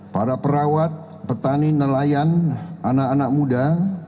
para perawat petani nelayan anak anak muda